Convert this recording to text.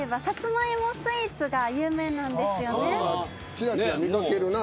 ちらちら見掛けるな。